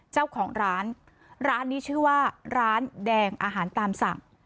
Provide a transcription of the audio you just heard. เจ้าของร้านร้านนี้ชื่อว่าร้านแดงอาหารตามสั่ง